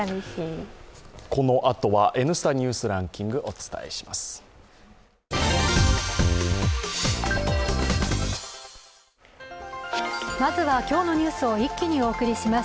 このあとは「Ｎスタ・ニュースランキング」、お伝えします。